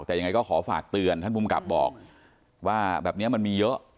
แต่ยังไงก็ขอฝากเตือนท่านภูมิกับบอกว่าแบบนี้มันมีเยอะ